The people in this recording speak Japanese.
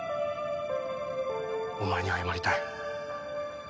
お前に謝りたい。